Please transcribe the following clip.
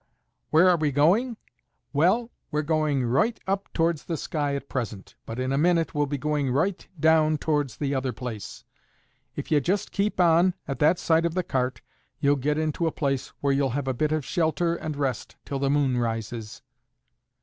"Where are we going? Well, we're going roight up towards the sky at present, but in a minute we'll be going roight down towards the other place. If ye just keep on at that side of the cart ye'll get into a place where we'll have a bit of shelter and rest till the moon rises."